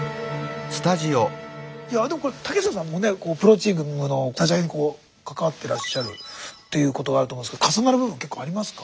でも竹下さんもねプロチームの立ち上げに関わってらっしゃるということがあると思うんですけど重なる部分結構ありますか？